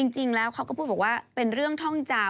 จริงแล้วเขาก็พูดบอกว่าเป็นเรื่องท่องจำ